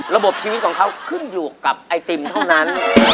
ระบบชีวิตของเขาขึ้นอยู่กับไอติมเท่านั้น